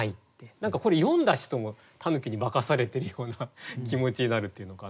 何かこれ読んだ人も狸に化かされてるような気持ちになるっていうのかな。